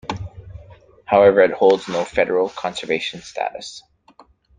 However, it holds no federal conservation status.